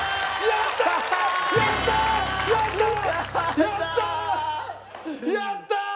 やったー！